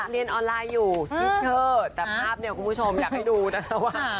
เรียนออนไลน์อยู่ทิเชอร์แต่ภาพเนี่ยคุณผู้ชมอยากให้ดูนะคะว่า